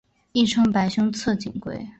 亦称白胸侧颈龟。